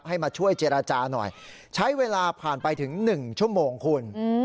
ให้มาช่วยเจรจาหน่อยใช้เวลาผ่านไปถึง๑ชั่วโมงคุณ